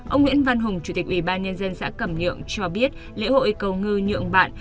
ông nguyễn văn hùng chủ tịch ủy ban nhân dân xã cẩm nhượng cho biết lễ hội cầu ngư nhượng bạn